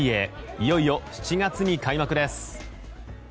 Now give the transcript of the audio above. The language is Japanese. いよいよ７月に開幕です。